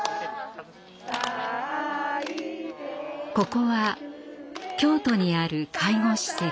ここは京都にある介護施設。